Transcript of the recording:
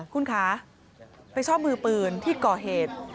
คุณคะไปชอบมือปืนที่ก่อเหตุ